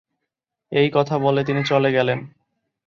এই কথা বলে তিনি চলে গেলেন।